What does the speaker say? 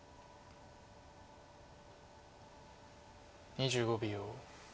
２５秒。